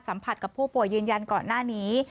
สัมผัสกับผู้ป่วยยืนยันก่อนหน้านี้